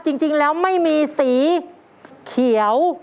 จริงแล้วไม่มีสีเขียว